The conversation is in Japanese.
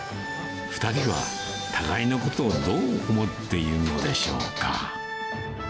２人は互いのことをどう思っているのでしょうか。